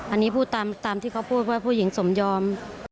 อันนี้พูดตามที่เขาพูดว่าผู้หญิงสมยอม